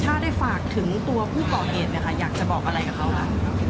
ถ้าได้ฝากถึงตัวผู้ก่อเอกอยากจะบอกอะไรกับเขาค่ะ